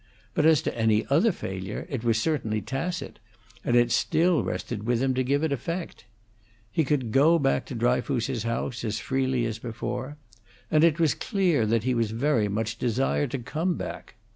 But as to any other failure, it was certainly tacit, and it still rested with him to give it effect. He could go back to Dryfoos's house, as freely as before, and it was clear that he was very much desired to come back.